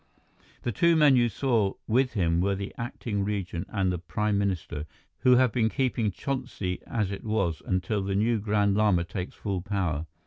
"The two men you saw with him were the Acting Regent and the Prime Minister, who have been keeping Chonsi as it was, until the new Grand Lama takes full power.